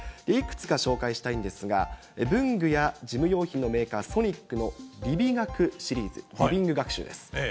いくつか紹介したいんですが、文具や事務用品のメーカー、ソニックのリビガクシリーズ、リビング学習です。